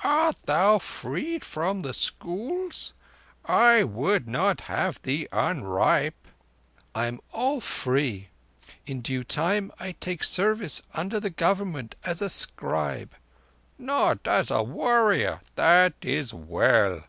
"Art thou freed from the schools? I would not have thee unripe." "I am all free. In due time I take service under the Government as a scribe—" "Not as a warrior. That is well."